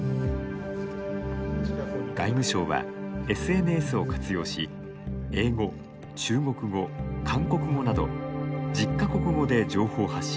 外務省はＳＮＳを活用し英語、中国語、韓国語など１０か国語で情報発信。